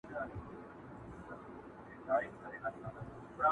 پیرمحمد په ملغلرو بار کاروان دی،